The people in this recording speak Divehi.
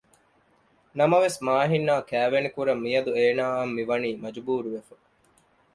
ނަމަވެސް މާހިން އާ ކައިވެނިކުރަން މިޔަދު އޭނާއަށް މި ވަނީ މަޖުބޫރުވެފަ